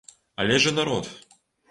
Але ж і народ!